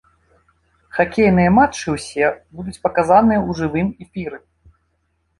Хакейныя матчы ўсе будуць паказаныя ў жывым эфіры.